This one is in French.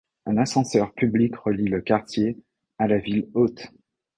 Un ascenseur public relie le quartier à la Ville-Haute.